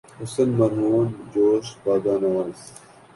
حسن مرہون جوش بادۂ ناز